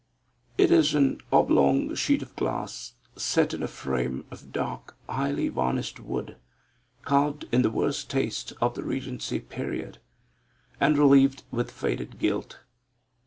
It is an oblong sheet of glass, set in a frame of dark, highly varnished wood, carved in the worst taste of the Regency period, and relieved with faded gilt.